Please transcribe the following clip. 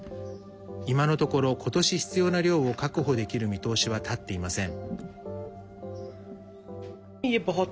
今のところ、ことし必要な量を確保できる見通しは立っていません。